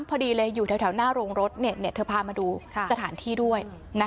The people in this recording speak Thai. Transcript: พอดีเลยอยู่แถวหน้าโรงรถเธอพามาดูสถานที่ด้วย